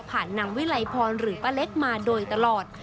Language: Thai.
ผ่านหนำวิลัยพรหรือปลาเล็กมาโดยตลอด